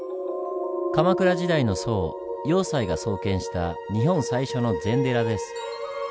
鎌倉時代の僧栄西が創建した日本最初の禅寺です。